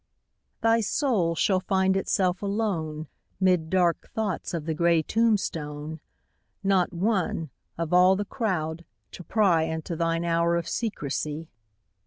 Thy soul shall find itself alone 'Mid dark thoughts of the gray tombstone Not one, of all the crowd, to pry Into thine hour of secrecy.